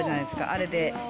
あれで。